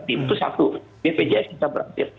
itu satu bpjs kita beraktif